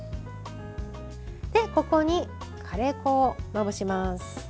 ここに、カレー粉をまぶします。